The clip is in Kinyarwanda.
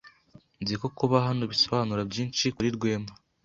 Nzi ko kuba hano bisobanura byinshi kuri Rwema.